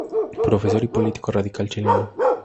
Profesor y político radical chileno.